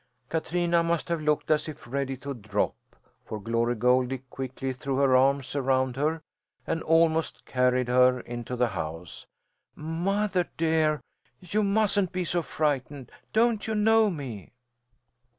Katrina must have looked as if ready to drop, for Glory Goldie quickly threw her arms around her and almost carried her into the house. "Mother dear, you mustn't be so frightened! Don't you know me?"